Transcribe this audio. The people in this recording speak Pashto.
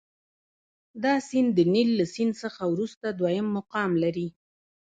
دا سیند د نیل له سیند څخه وروسته دوهم مقام لري.